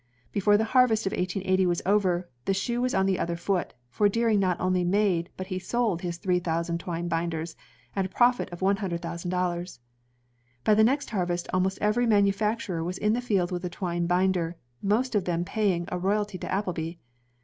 Before the harvest of 1880 was over, the shoe was on the other foot, for Deering not 'only made, but he sold his three thousand twine binders, at a profit of one hun dred thousand dollars. By the next harvest almost every manufacturer was in the field with a twine binder, most of them paying a roy alty to Appleby.